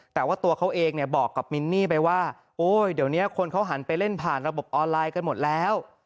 แต่ว่าตัวเขาเองเนี่ยบอกกับมินนี่ไปว่าโอ้ยเดี๋ยวนี้คนเขาหันไปเล่นผ่านระบบออนไลน์กันหมดแล้ว